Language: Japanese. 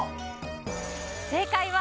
正解は。